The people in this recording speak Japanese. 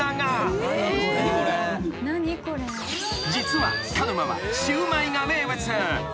［実は鹿沼はシウマイが名物］